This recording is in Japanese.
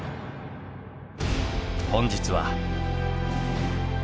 本日は。